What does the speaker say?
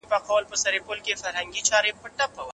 کومي تجربې زموږ په رواني پیاوړتیا کي ستر رول لري؟